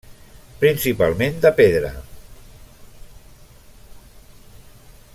Principalment de pedra.